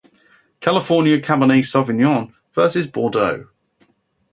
California Cabernet Sauvignon versus Bordeaux.